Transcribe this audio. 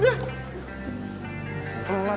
bisa ga kerja cepet